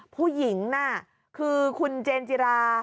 ผู้หญิงน่ะคือคุณเจนจิรา